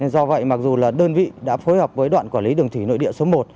do vậy mặc dù là đơn vị đã phối hợp với đoạn quản lý đường thủy nội địa số một